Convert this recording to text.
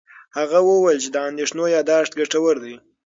هغه وویل چې د اندېښنو یاداښت ګټور دی.